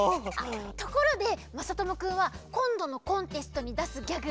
ところでまさともくんはこんどのコンテストにだすギャグ